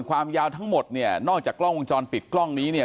ความยาวทั้งหมดเนี่ยนอกจากกล้องวงจรปิดกล้องนี้เนี่ย